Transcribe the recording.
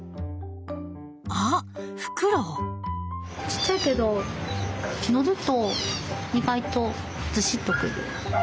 ちっちゃいけどのると意外とずしっとくる。